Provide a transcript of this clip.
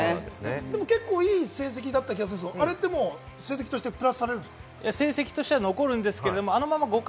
結構いい成績だった気がするんですけど、成績としてプラスされますか？